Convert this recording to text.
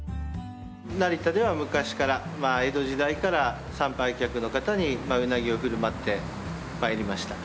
成田では昔から江戸時代から参拝客の方にうなぎを振る舞って参りました。